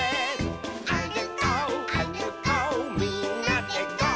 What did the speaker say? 「あるこうあるこうみんなでゴー！」